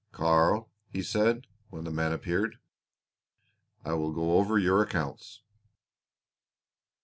"Karl," he said, when the man appeared, "I will go over your accounts."